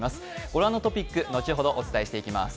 ご覧のトピック、後ほどお伝えしていきます。